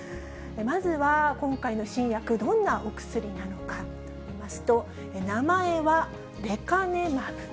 まずは今回の新薬、どんなお薬なのか見ますと、名前はレカネマブ。